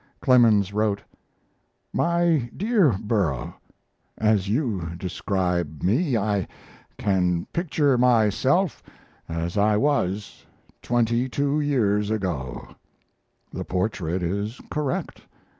Clemens wrote: MY DEAR BURROUGH, As you describe me I can picture myself as I was 22 years ago. The portrait is correct.